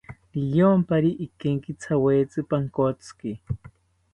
Riyompari ikenkithawetzi pankotziki